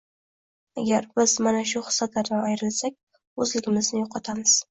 Agar biz mana shu xislatlardan ayrilsak, o‘zligimizni yo‘qotamiz.